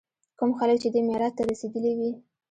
کوم خلک چې دې معراج ته رسېدلي وي.